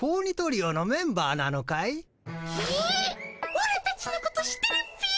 オラたちのこと知ってるっピ？